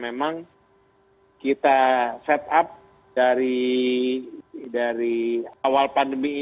sebagai alat untuk perkembangan terhadap pandemi ini